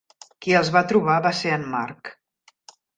Qui els va trobar va ser en Mark.